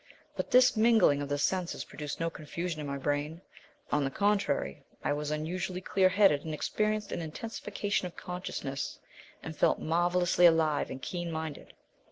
But this mingling of the senses produced no confusion in my brain. On the contrary, I was unusually clear headed and experienced an intensification of consciousness, and felt marvellously alive and keen minded.